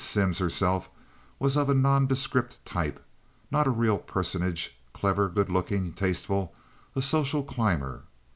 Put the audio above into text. Simms herself was of a nondescript type, not a real personage, clever, good looking, tasteful, a social climber.